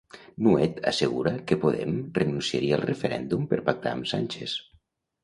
Nuet assegura que Podem renunciaria al referèndum per pactar amb Sánchez.